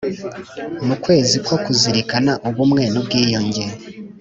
Mu kwezi ko kuzirikana Ubumwe n Ubwiyunge